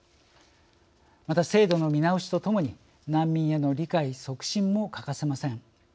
また制度の見直しとともに難民への理解促進も欠かせません。